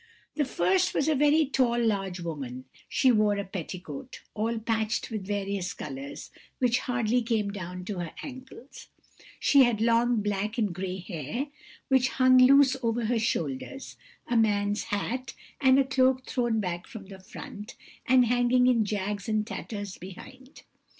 The first was a very tall large woman: she wore a petticoat, all patched with various colours, which hardly came down to her ankles; she had long black and gray hair, which hung loose over her shoulders; a man's hat, and a cloak thrown back from the front, and hanging in jags and tatters behind.